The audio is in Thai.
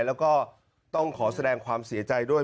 แล้วก็ต้องขอแสดงความเสียใจด้วย